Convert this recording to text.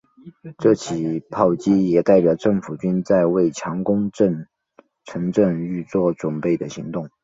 这起炮击也代表政府军在为强攻城镇预作准备的行动。